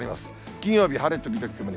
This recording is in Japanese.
金曜日、晴れ時々曇り。